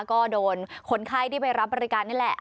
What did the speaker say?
ก็โดนคนไข้ที่ไปรับบริการนี่แหละ